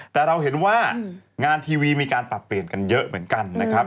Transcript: แต่เราเห็นว่างานทีวีมีการปรับเปลี่ยนกันเยอะเหมือนกันนะครับ